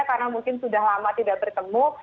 karena mungkin sudah lama tidak bertemu